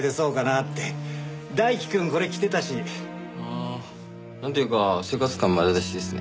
ああなんていうか生活感丸出しですね。